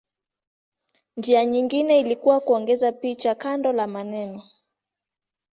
Njia nyingine ilikuwa kuongeza picha kando la maneno.